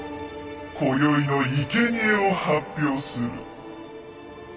こよいのいけにえを発表する。